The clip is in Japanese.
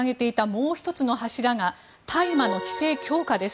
もう１つの柱が大麻の規制強化です。